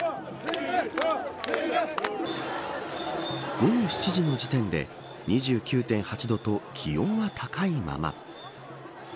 午後７時の時点で２９．８度と気温は高いまま。